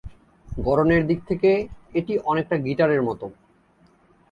গড়নের দিক থেকে এটি অনেকটা গিটারের মতো।